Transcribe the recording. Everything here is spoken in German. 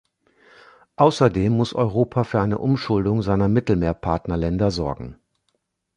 Außerdem muss Europa für eine Umschuldung seiner Mittelmeerpartnerländer sorgen.